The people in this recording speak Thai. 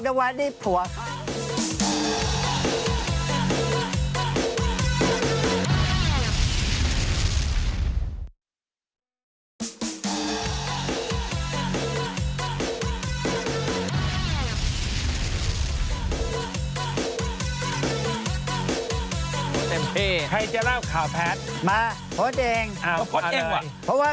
ส่วยปิดไป